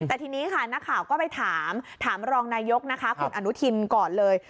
แต่ทีนี้ค่ะนักข่าวก็ไปถามถามรองนายกนะคะคุณอนุทินก่อนเลย